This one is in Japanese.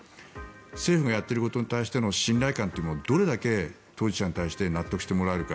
政府がやっていることに対しての信頼感をどれだけ当事者たちに納得してもらえるか。